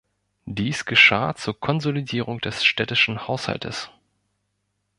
Dies geschah zur Konsolidierung des städtischen Haushaltes.